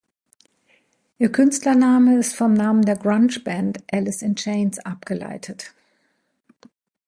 Ihr Künstlername ist vom Namen der Grunge-Band Alice in Chains abgeleitet.